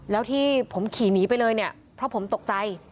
แล้วที่ผมขี่หนีไปเลยเนี่ยเพราะผมตกใจ